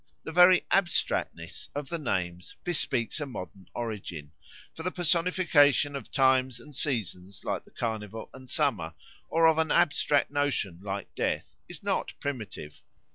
The very abstractness of the names bespeaks a modern origin; for the personification of times and seasons like the Carnival and Summer, or of an abstract notion like death, is not primitive.